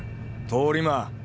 通り魔」